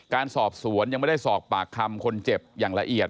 การสอบสวนยังไม่ได้สอบปากคำคนเจ็บอย่างละเอียด